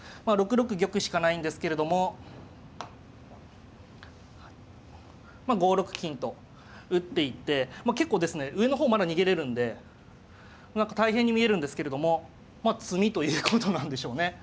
６六玉しかないんですけれどもまあ５六金と打っていって結構ですね上の方まだ逃げれるんで何か大変に見えるんですけれどもまあ詰みということなんでしょうね。